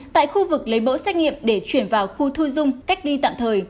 tại khu vực lấy mẫu xét nghiệm để chuyển vào khu thu dung cách ly tạm thời